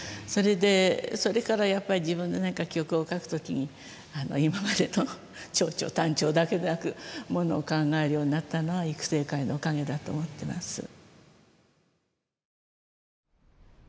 それでそれからやっぱり自分で何か曲を書く時に今までの長調短調だけでなくものを考えるようになったのは育成会のおかげだと思ってます。